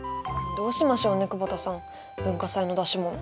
どうしましょうね久保田さん文化祭の出し物。